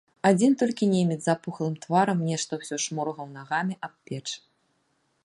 Адзін толькі немец з апухлым тварам нешта ўсё шморгаў нагамі аб печ.